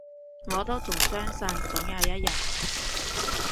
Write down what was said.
我都仲相信，總有一日